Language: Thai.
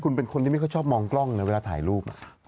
คือคนที่ไม่ชอบมองกล้องในเวลาถ่ายรูป